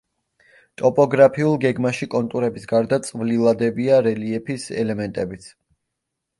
ტოპოგრაფიულ გეგმაში კონტურების გარდა წვლილადებია რელიეფის ელემენტებიც.